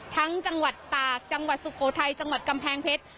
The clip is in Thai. จังหวัดตากจังหวัดสุโขทัยจังหวัดกำแพงเพชร